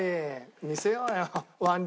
見せようよ腕力。